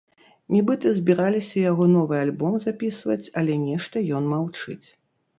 Нібыта збіраліся яго новы альбом запісваць, але нешта ён маўчыць.